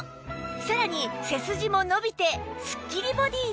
さらに背筋も伸びてスッキリボディーに